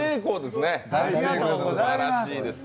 すばらしいです。